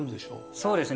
そうですね